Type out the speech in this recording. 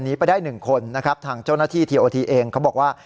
ไปได้หนึ่งคนนะครับทางเจ้าหน้าที่ทีโอทีเองเขาบอกว่า